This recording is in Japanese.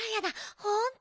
ほんとだ。